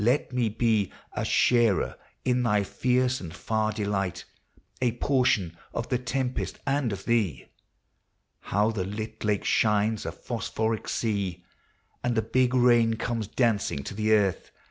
let me be A sharer in thy fierce and far delight, — A portion of the tempest and of thee! How the lit lake shines, a phosphoric sea, And the big rain comes dancing to the earth !